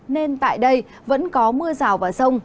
nên tại đây vẫn có mưa rào và rông